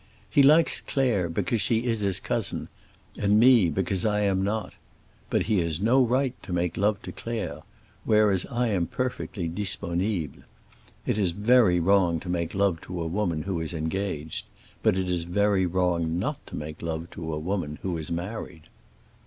"He likes Claire because she is his cousin, and me because I am not. But he has no right to make love to Claire, whereas I am perfectly disponible. It is very wrong to make love to a woman who is engaged, but it is very wrong not to make love to a woman who is married."